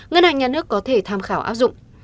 ngân hàng nhà nước có thể tham khảo áp dụng